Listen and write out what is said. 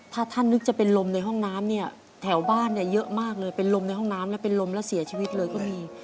ถ้าท่านนึกจะเป็นลมในห้องน้ำเนี่ยแถวบ้านเนี่ยเยอะมากเลยเป็นลมในห้องน้ำแล้วเป็นลมแล้วเสียชีวิตเลยก็มี